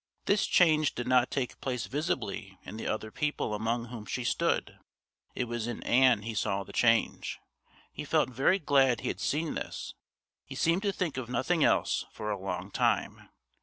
This change did not take place visibly in the other people among whom she stood. It was in Ann he saw the change. He felt very glad he had seen this; he seemed to think of nothing else for a long time.